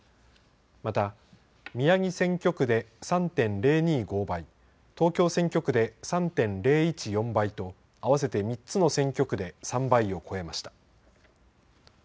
また宮城選挙区で３．０２５倍、東京選挙区で３．０１４倍と合わせて３つの選挙区で３倍を超えました。